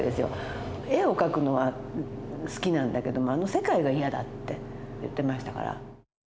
絵を描くのは好きなんだけどあの世界が嫌だって言ってましたから。